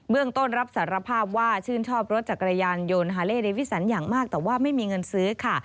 ต้นรับสารภาพว่าชื่นชอบรถจักรยานยนต์ฮาเล่เดวิสันอย่างมากแต่ว่าไม่มีเงินซื้อค่ะ